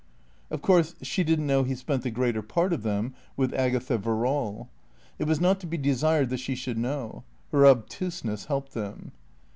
Of course, she didn't know he spent the greater part of them with Agatha Verrall. It was not to be desired that she should know. Her obtuseness helped them.